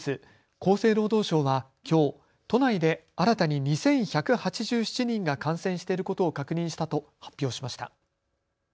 厚生労働省はきょう都内で新たに２１８７人が感染していることを確認したと発表しました。